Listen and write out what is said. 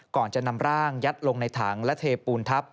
ก่อนจะนำร่างยัดลงในถังและเทปูนทับ